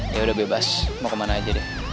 yaudah bebas mau kemana aja deh